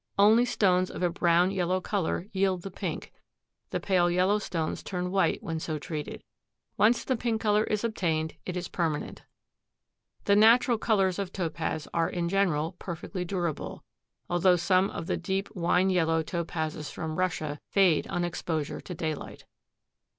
Only stones of a brown yellow color yield the pink; the pale yellow stones turn white when so treated. Once the pink color is obtained it is permanent. The natural colors of Topaz are in general perfectly durable, although some of the deep wine yellow Topazes from Russia fade on exposure to daylight.